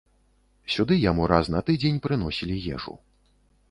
Сюды яму раз на тыдзень прыносілі ежу.